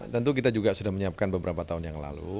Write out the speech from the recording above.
tentu kita juga sudah menyiapkan beberapa tahun yang lalu